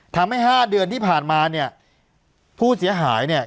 ทำให้ห้าเดือนที่ผ่านมาเนี่ยผู้เสียหายเนี่ย